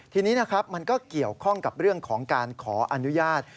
ทีนี้นะครับมันก็เกี่ยวข้องกับเรื่องของการขออนุญาต